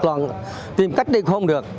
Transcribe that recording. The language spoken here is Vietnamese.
còn tìm cách đi cũng không được